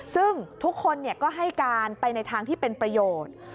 ซึ่งทุกคนก็ให้การไปในทางที่เป็นประโยชน์